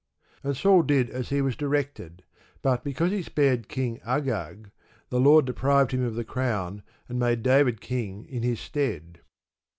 And Saul did as he was directed; but because he spared King Agag, the Lord deprived him of the crown and made David king in his stead.